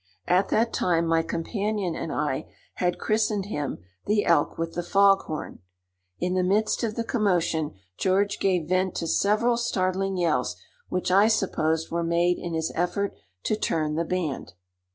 At that time my companion and I had christened him the "elk with the fog horn." In the midst of the commotion, George gave vent to several startling yells, which I supposed were made in his effort to turn the band.